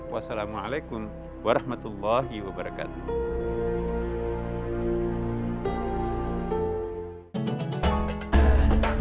wassalamualaikum warahmatullahi wabarakatuh